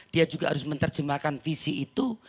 dia juga harus menerjemahkan visi itu